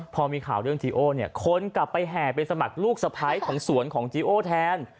พอมีข่าวเรื่องจีโอเนี่ยคนกลับไปแห่ไปสมัครลูกสะพ้ายของสวนของจีโอแทน